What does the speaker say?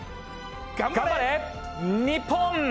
頑張れ！日本！